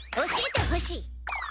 教えてほしい！